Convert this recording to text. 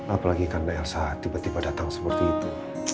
apalagi karena elsa tiba tiba datang seperti itu